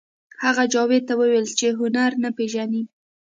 هغه جاوید ته وویل چې هنر نه پېژنئ